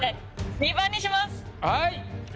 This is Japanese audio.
はい。